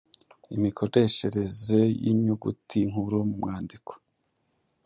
Imikoreshereze y’inyuguti nkuru mumwandiko